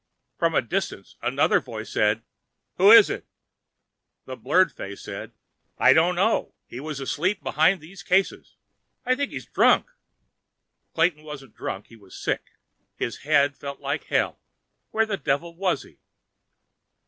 From a distance, another voice said: "Who is it?" The blurred face said: "I don't know. He was asleep behind these cases. I think he's drunk." Clayton wasn't drunk—he was sick. His head felt like hell. Where the devil was he?